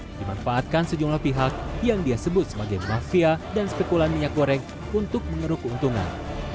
dimanfaatkan sejumlah pihak yang dia sebut sebagai mafia dan spekulan minyak goreng untuk mengeruk keuntungan